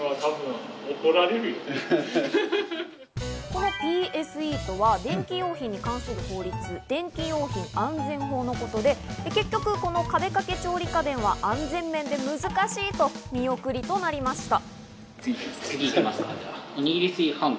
このＰＳＥとは電気用品に関する法律、電気用品安全法のことで、結局この壁掛け調理家電は安全面で難しいと見送りとなりました。